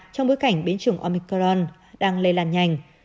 trong bối cảnh biến chủng omicron đang lây lan nhanh